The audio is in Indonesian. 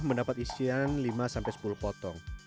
mendapat isian lima sampai sepuluh potong